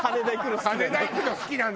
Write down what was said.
羽田行くの好きなの。